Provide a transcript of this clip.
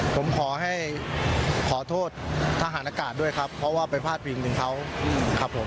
ผมขอให้ขอโทษทหารอากาศด้วยครับเพราะว่าไปพาดพิงถึงเขาครับผม